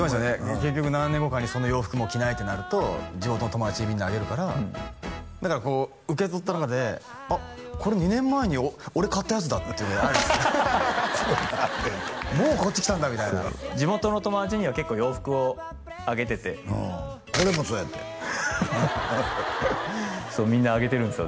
結局何年後かにその洋服もう着ないってなると地元の友達にみんなあげるからだからこう受け取った中であっこれ２年前に俺買ったやつだっていうのがあるもうこっち来たんだみたいな地元の友達には結構洋服をあげててこれもそうやてそうみんなあげてるんですよ